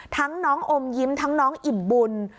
น้องอมยิ้มทั้งน้องอิ่มบุญ